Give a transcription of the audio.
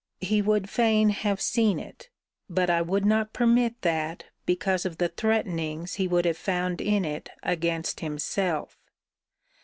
He would fain have seen it. But I would not permit that, because of the threatenings he would have found in it against himself.